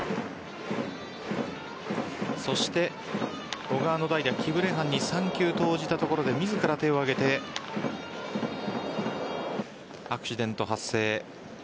そして小川の代打・キブレハンに３球投じたところで自ら手を上げてアクシデント発生。